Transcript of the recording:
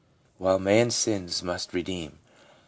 While man sins man must redeem.